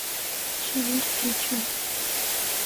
Чевер кечын